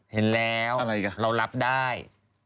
เห็นแล้วเรารับได้